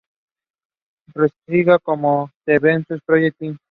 Registrada como "The Venus Project Inc.